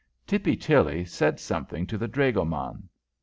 Tippy Tilly said something to the dragoman.